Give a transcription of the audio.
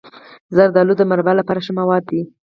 زردالو د مربا لپاره ښه مواد لري.